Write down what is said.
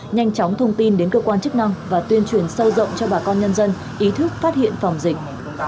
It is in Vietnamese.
nhanh chóng thông tin đến cơ quan chức năng và tuyên truyền sâu rộng cho bà con nhân dân ý thức phát hiện phòng dịch